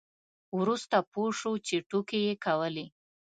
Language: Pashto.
وروسته پوه شو چې ټوکې یې کولې.